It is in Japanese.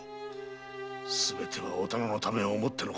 すべてはお店のためを思ってのこと！